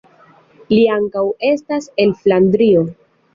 Li ankaŭ estas el Flandrio.